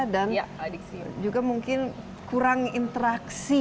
dan juga mungkin kurang interaksi